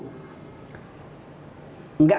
nggak kita mikir bahwa itu menjadi menteri